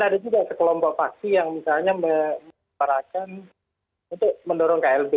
ada juga kelompok paksi yang misalnya memperolehkan untuk mendorong klb